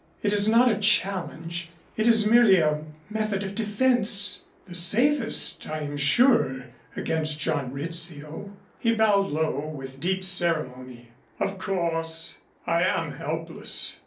It is not a challenge. It is merely a method of defense the safest, I am sure, against John Rizzio." He bowed low with deep ceremony. "Of course, I am helpless."